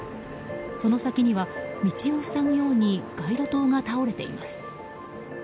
その先には、道を塞ぐように街路灯が倒れています。